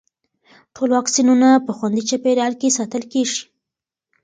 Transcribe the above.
ټول واکسینونه په خوندي چاپېریال کې ساتل کېږي.